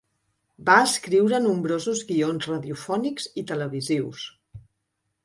Va escriure nombrosos guions radiofònics i televisius.